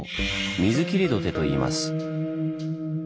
「水切土手」といいます。